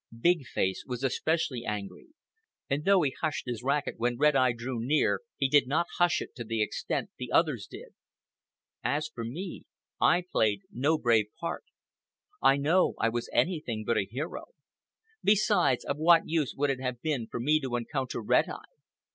Big Face was especially angry, and though he hushed his racket when Red Eye drew near, he did not hush it to the extent the others did. As for me, I played no brave part. I know I was anything but a hero. Besides, of what use would it have been for me to encounter Red Eye?